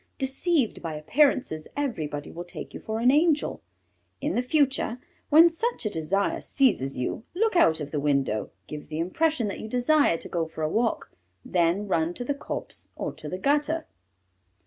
Deceived by appearances, everybody will take you for an angel. In the future when such a desire seizes you, look out of the window, give the impression that you desire to go for a walk, then run to a copse or to the gutter."